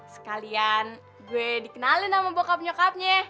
sekalian gue dikenalin sama bokap nyokapnya